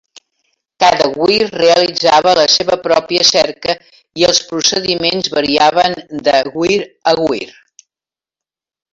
Cada Weyr realitzava la seva pròpia cerca i els procediments variaven de Weyr a Weyr.